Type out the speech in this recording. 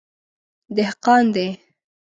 _دهقان دی.